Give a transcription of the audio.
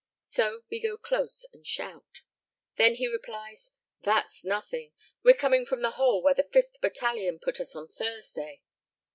So we go close and shout. Then he replies, "That's nothing; we're coming from the hole where the 5th Battalion put us on Thursday."